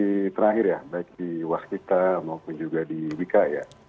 di terakhir ya baik di waskita maupun juga di wika ya